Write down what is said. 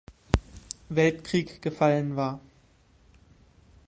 Weltkrieg gefallen war.